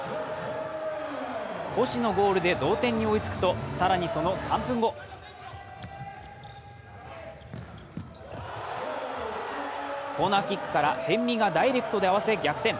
星のゴールで同点に追いつくと更に、その３分後コーナーキックから、逸見がダイレクトで合わせ逆転。